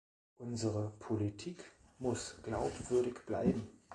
Unsere Politik muss glaubwürdig bleiben.